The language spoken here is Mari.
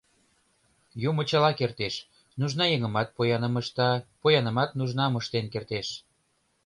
Юмо чыла кертеш, нужна еҥымат пояным ышта, поянымат нужнам ыштен кертеш.